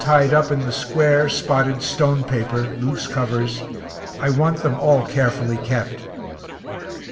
tied up in the square, spotted (stone paper) loose covers I want them all carefully kept.